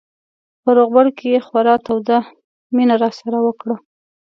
په روغبړ کې یې خورا توده مینه راسره وکړه.